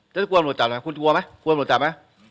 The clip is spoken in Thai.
จะควรกว่ามารวจจังหรือไม่คุณควรกลัวหรือไม่